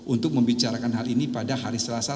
untuk membicarakan hal ini pada hari selasa